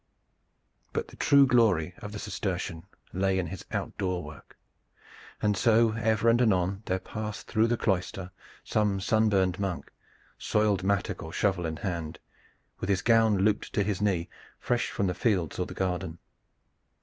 But the true glory of the Cistercian lay in his outdoor work, and so ever and anon there passed through the cloister some sunburned monk, soiled mattock or shovel in hand, with his gown looped to his knee, fresh from the fields or the garden.